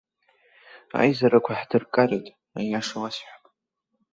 Аизарақәа ҳдыркареит, аиаша уасҳәап.